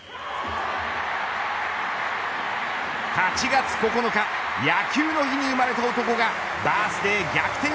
８月９日野球の日に生まれた男がバースデー逆転